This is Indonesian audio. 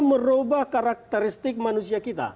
merubah karakteristik manusia kita